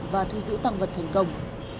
và thu giữ tăng vật thành công